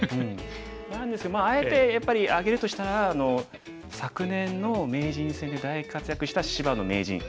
なんですけどまああえてやっぱり挙げるとしたら昨年の名人戦で大活躍した芝野名人。